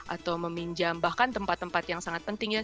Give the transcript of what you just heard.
atau meminjam bahkan tempat tempat yang sangat penting ya